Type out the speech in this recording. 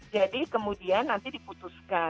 jadi kemudian nanti diputuskan